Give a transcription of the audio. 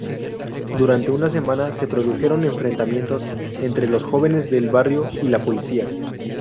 Durante una semana se produjeron enfrentamientos entre los jóvenes del barrio y la policía.